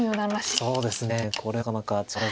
そうですね